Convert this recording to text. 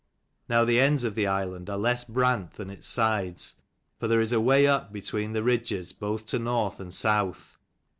Now the ends of the island are less brant than its sides, for there is a way up between the ridges, both to north and south.